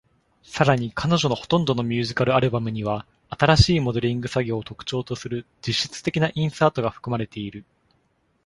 さらに彼女のほとんどのミュージカル・アルバムには、新しいモデリング作業を特徴とする実質的なインサートが含まれている。